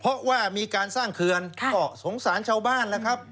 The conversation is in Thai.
เพราะว่ามีการสร้างเขื่อนก็สงสารชาวบ้านแล้วครับ